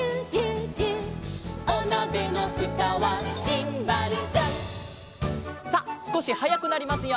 「おなべのふたはシンバルジャン」さあすこしはやくなりますよ。